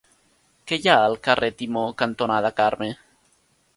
Què hi ha al carrer Timó cantonada Carme?